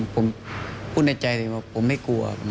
ผมพูดในใจเลยว่าผมไม่กลัว